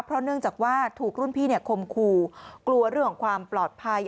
เพราะเนื่องจากว่าถูกรุ่นพี่คมคู่กลัวเรื่องของความปลอดภัย